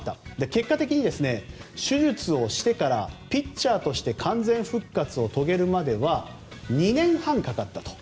結果的に手術をしてからピッチャーとして完全復活を遂げるまでは２年半かかったと。